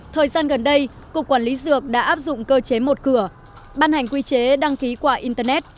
thời gian gần đây cục quản lý dược đã áp dụng cơ chế một cửa ban hành quy chế đăng ký qua internet